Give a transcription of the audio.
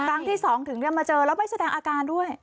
ครั้งที่๒ถึงมาเจอแล้วไปแสดงอาการด้วย